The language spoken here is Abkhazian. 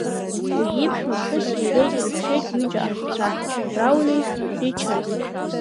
Уи иԥшәма ԥҳәыси иареи ирыхшеит ҩыџьа аԥацәа, Раули Ричарди.